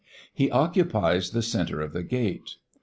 He occupies the center of the Gate.